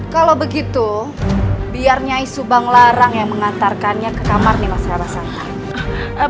kalau begitu biar nyai subang larang yang mengantarkannya ke kamar nyai ratu kentrik mani